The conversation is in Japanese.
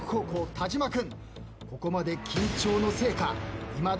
田島君。